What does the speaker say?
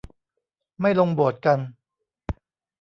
ไม่ลงโบสถ์กัน